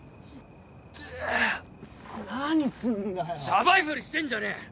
シャバいふりしてんじゃねえ！